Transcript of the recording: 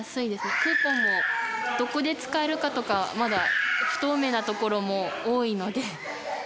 クーポンもどこで使えるかとか、まだ不透明なところも多いので。